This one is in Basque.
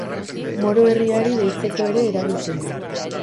Moro herriari deitzeko ere erabiltzen da.